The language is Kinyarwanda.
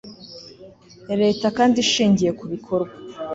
leta kandi ishingiye ku bikorwa